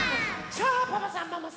さあパパさんママさん